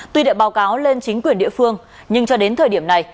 tuy đã báo cáo lên chính quyền địa phương nhưng cho đến thời điểm này